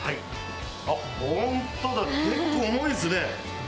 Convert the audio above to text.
あっ、本当だ、結構重いですね。